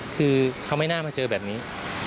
คือเขาไม่น่ามาเจอแบบนี้